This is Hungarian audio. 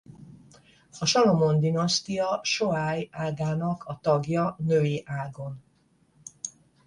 A Salamon-dinasztia soai ágának a tagja női ágon.